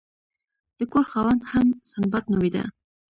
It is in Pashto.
د کور خاوند هم سنباد نومیده.